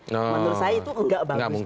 menurut saya itu tidak bagus juga